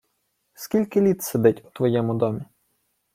— Скільки літ сидить у твоєму домі?